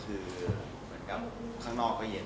คือเหมือนกับข้างนอกก็เย็น